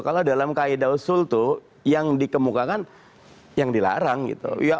kalau dalam kaedah usul tuh yang dikemukakan yang dilarang gitu